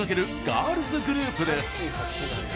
ガールズグループです。